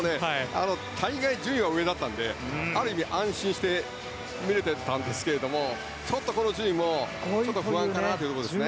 順位は上だったのである意味、安心して見れてたんですけれどもちょっとこの順位も不安かなと思います。